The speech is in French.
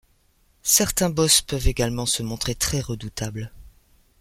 Certains boss peuvent également se montrer très redoutables.